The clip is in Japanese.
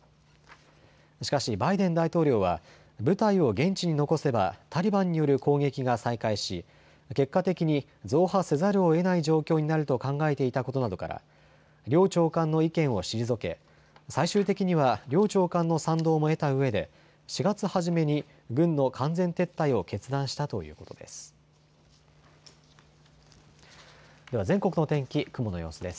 しかしバイデン大統領は部隊を現地に残せばタリバンによる攻撃が再開し、結果的に増派せざるをえない状況になると考えていたことなどから両長官の意見を退け、最終的には両長官の賛同も得たうえで４月初めに軍の完全撤退を決断したということです。